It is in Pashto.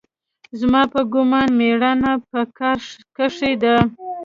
زما په ګومان مېړانه په کار کښې ده.